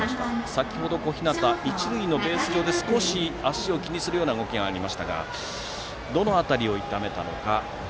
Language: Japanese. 先程、小日向一塁のベース上で少し、足を気にする動きがありましたがどの辺りを痛めたのか。